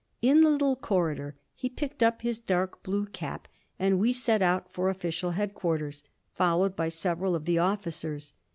In the little corridor he picked up his dark blue cap and we set out for official headquarters, followed by several of the officers.